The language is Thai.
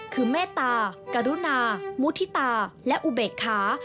คือเมตตากรุณามุฒิตาและอุเบกขา